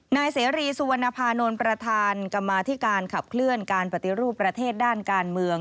นายเสรีสุวรรณภานนท์ประธานกรรมาธิการขับเคลื่อนการปฏิรูปประเทศด้านการเมือง